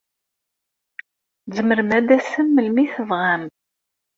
Tzemrem ad d-tasem melmi ay tebɣam.